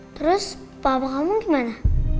terus papa kamu gimana